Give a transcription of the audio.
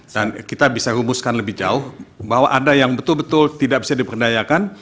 dan kita bisa rumuskan lebih jauh bahwa ada yang betul betul tidak bisa diperdayakan